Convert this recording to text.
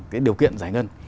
cái điều kiện giải ngân